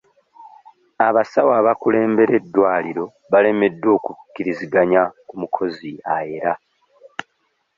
Abasawo abakulembera eddwaliro balemereddwa okukkiriziganya ku mukozi ayera.